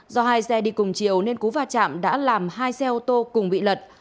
do hai xe đi cùng chiều nên cú va chạm đã làm hai xe ô tô cùng bị lật